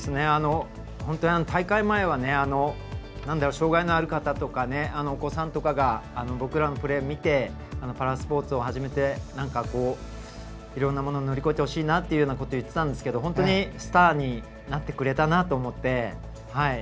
大会前は障がいのある方とかお子さんとかが僕らのプレーを見てパラスポーツを始めていろんなものを乗り越えてほしいなということを言っていたんですけど本当にスターになってくれたなと思って。